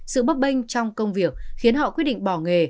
sự bấp bênh trong công việc khiến họ quyết định bỏ nghề